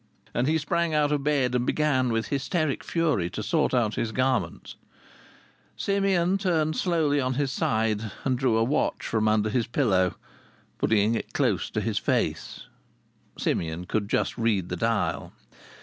And he sprang out of bed and began with hysteric fury to sort out his garments. Simeon turned slowly on his side and drew a watch from under his pillow. Putting it close to his face, Simeon could just read the dial.